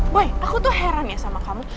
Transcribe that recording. boy aku tuh heran ya sama kamu